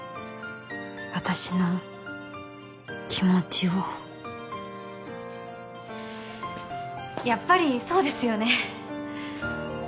私の気持ちをやっぱりそうですよね